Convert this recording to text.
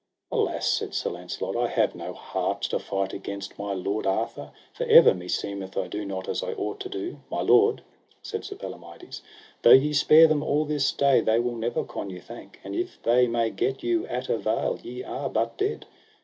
Alas, said Sir Launcelot, I have no heart to fight against my lord Arthur, for ever meseemeth I do not as I ought to do. My lord, said Sir Palomides, though ye spare them all this day they will never con you thank; and if they may get you at avail ye are but dead.